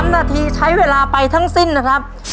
๓นาทีใช้เวลาไปทั้งสิ้นนะครับ